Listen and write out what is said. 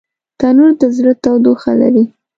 تنور د زړه تودوخه لري